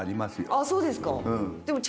あっそうですか。